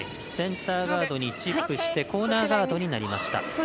センターガードにチップしてコーナーガードになりました。